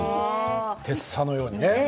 てっさのように。